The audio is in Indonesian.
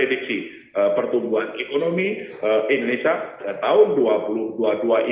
dan memastikan ketersediaan uang rupiah dengan kualitas yang terjaga di seluruh wilayah nkri